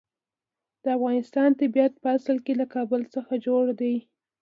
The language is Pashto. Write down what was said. د افغانستان طبیعت په اصل کې له کابل څخه جوړ دی.